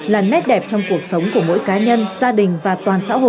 là nét đẹp trong cuộc sống của mỗi cá nhân gia đình và toàn xã hội